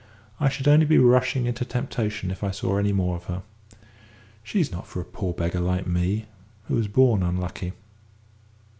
I should only be rushing into temptation if I saw any more of her. She's not for a poor beggar like me, who was born unlucky.